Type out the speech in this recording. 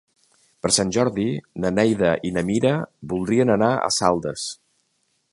Per Sant Jordi na Neida i na Mira voldrien anar a Saldes.